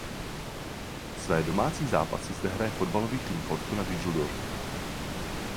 Své domácí zápasy zde hraje fotbalový tým Fortuna Düsseldorf.